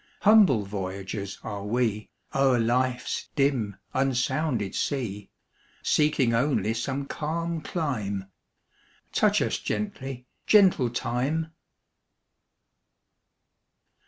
Humble voyagers are we, O'er life's dim unsounded sea, Seeking only some calm clime; Touch us gently, gentle Time!